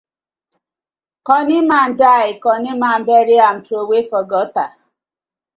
Cunny man die, cunny man bury am troway for gutter.